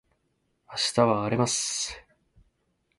明日は荒れます